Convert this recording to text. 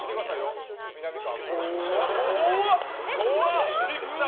みなみかわ、怖。